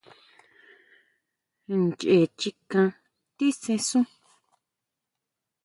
Ncheé nchikan tisesun.